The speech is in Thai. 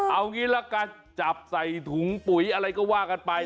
เอางี้ละกันจับใส่ถุงปุ๋ยอะไรก็ว่ากันไป